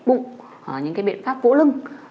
bụng những biện pháp vỗ lưng